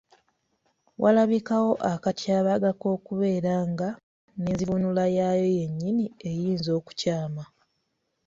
Walabikawo akatyabaga k’okubeera nga n’enzivuunula yaayo yennyini eyinza okukyama